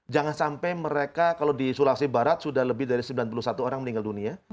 jangan sampai mereka kalau di sulawesi barat sudah lebih dari sembilan puluh satu orang meninggal dunia